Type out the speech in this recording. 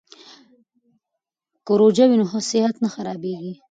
که روژه وي نو صحت نه خرابیږي.